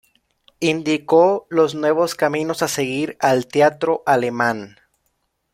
Indicó los nuevos caminos a seguir al teatro alemán.